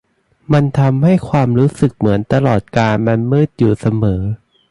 มันให้ความรู้สึกเหมือนตลอดกาลมันมืดอยู่เสมอ